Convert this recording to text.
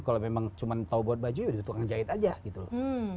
kalau memang cuma tahu buat baju ya dituang jahit aja gitu loh